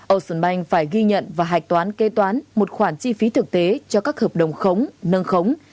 ocean bank phải ghi nhận và hạch toán kế toán một khoản chi phí thực tế cho các hợp đồng khống nâng khống